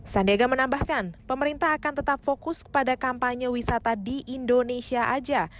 sandiaga menambahkan pemerintah akan tetap fokus kepada kampanye wisata di indonesia saja